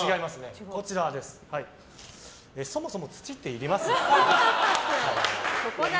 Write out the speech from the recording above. そもそも土っていります？